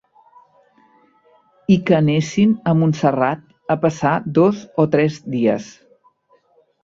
I que anessin a Montserrat a passar dos o tres dies